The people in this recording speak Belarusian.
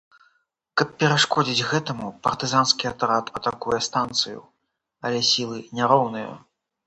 Каб перашкодзіць гэтаму, партызанскі атрад атакуе станцыю, але сілы няроўныя.